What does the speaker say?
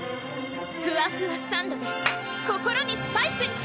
ふわふわサンドｄｅ心にスパイス！